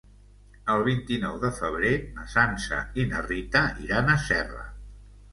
El vint-i-nou de febrer na Sança i na Rita iran a Serra.